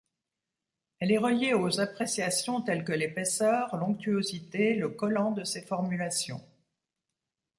Elle est reliée aux appréciations telles que l’épaisseur, l’onctuosité, le collant de ces formulations.